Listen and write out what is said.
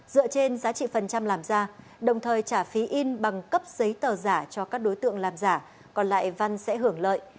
dựa trên giá trị phần trăm làm ra đồng thời trả phí in bằng cấp giấy tờ giả cho các đối tượng làm giả còn lại văn sẽ hưởng lợi